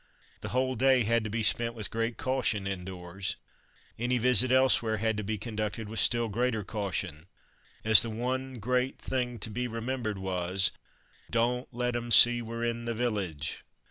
The whole day had to be spent with great caution indoors; any visit elsewhere had to be conducted with still greater caution, as the one great thing to be remembered was "Don't let 'em see we're in the village."